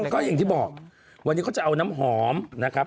ก็อย่างที่บอกวันนี้เขาจะเอาน้ำหอมนะครับ